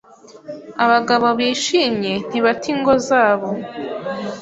Abagabo bishimye ntibata ingo zabo